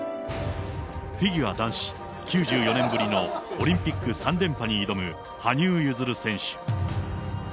フィギュア男子、９４年ぶりのオリンピック３連覇に挑む羽生結弦選手。